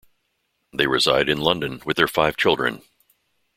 They reside in London with their five children.